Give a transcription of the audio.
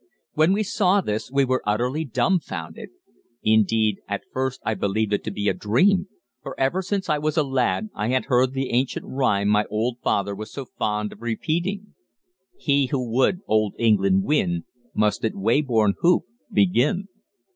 When we saw this we were utterly dumbfounded. Indeed, at first I believed it to be a dream, for ever since I was a lad I had heard the ancient rhyme my old father was so fond of repeating: "'He who would Old England win, Must at Weybourne Hoop begin.'